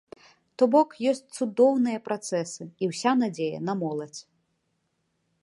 То бок, ёсць цудоўныя працэсы, і ўся надзея на моладзь!